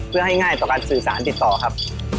เพื่อให้ง่ายต่อการสื่อสารติดต่อครับ